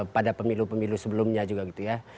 pada pemilu pemilu sebelumnya juga gitu ya